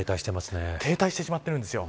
停滞してしまっているんですよ。